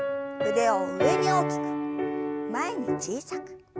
腕を上に大きく前に小さく。